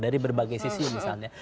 dari berbagai sisi misalnya